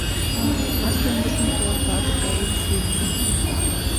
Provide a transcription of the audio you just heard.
Astoņdesmito gadu beigu filma.